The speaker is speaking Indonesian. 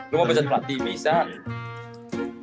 lu mau pesen platini misal